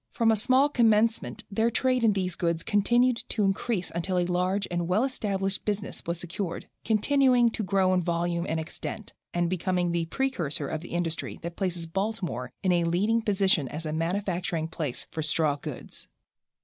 From a small commencement their trade in these goods continued to increase until a large and well established business was secured, continuing to grow in volume and extent, and becoming the precursor of an industry that places Baltimore in a leading position as a manufacturing place for straw goods.